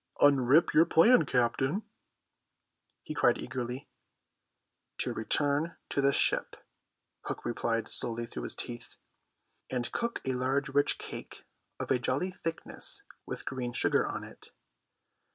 "Unrip your plan, captain," he cried eagerly. "To return to the ship," Hook replied slowly through his teeth, "and cook a large rich cake of a jolly thickness with green sugar on it.